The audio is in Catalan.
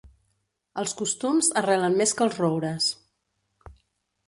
Els costums arrelen més que els roures.